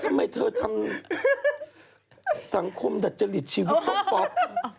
ทำไมเธอทำสังคมดัดจริตชีวิตต้องป๊อก